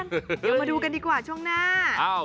เดี๋ยวมาดูกันดีกว่าช่วงหน้า